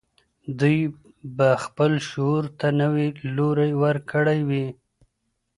دوی به خپل شعور ته نوی لوری ورکړی وي.